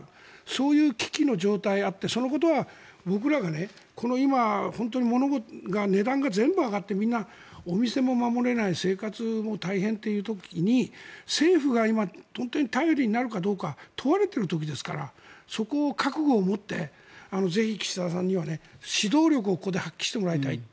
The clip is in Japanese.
そういう危機の状態があってそのことは僕らが今、本当に物事、値段が全部上がってみんなお店も守れない生活も大変という時に政府が今本当に頼りになるかどうか問われている時ですからそこを覚悟を持ってぜひ岸田さんには指導力をここで発揮してもらいたい。